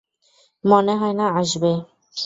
মনে হয় না আসবে।